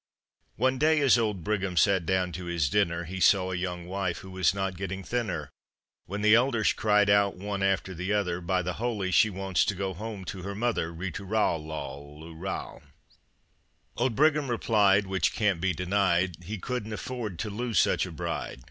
One day as old Brigham sat down to his dinner He saw a young wife who was not getting thinner; When the elders cried out, one after the other, By the holy, she wants to go home to her mother. Ri tu ral, lol, lu ral. Old Brigham replied, which can't be denied, He couldn't afford to lose such a bride.